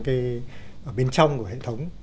cái ở bên trong của hệ thống